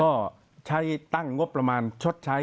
ก็ใช้ตั้งงบประมาณชดใช้